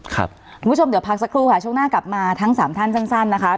คุณผู้ชมเดี๋ยวพักสักครู่ค่ะช่วงหน้ากลับมาทั้งสามท่านสั้นนะคะ